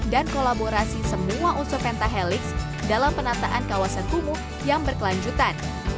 dan kolaborasi semua usaha pentahelix dalam penataan kawasan kumuh yang berkelanjutan